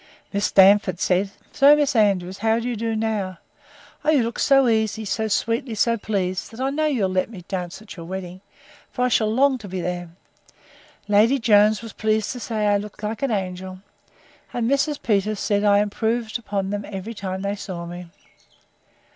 Miss Darnford said, So, Miss Andrews, how do you do now? O, you look so easy, so sweetly, so pleased, that I know you'll let me dance at your wedding, for I shall long to be there! Lady Jones was pleased to say I looked like an angel: And Mrs. Peters said, I improved upon them every time they saw me.